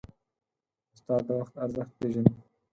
استاد د وخت ارزښت پېژني.